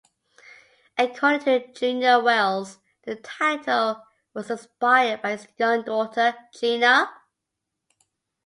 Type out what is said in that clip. According to Junior Wells, the title was inspired by his young daughter Gina.